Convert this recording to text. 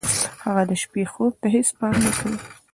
هغه د شپې خوب ته هېڅ پام نه کوي.